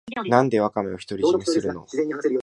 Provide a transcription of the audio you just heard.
なんでワカメを独り占めするの